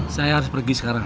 saya harus pergi sekarang